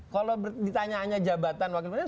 kalau ditanyaannya jabatan wakil presiden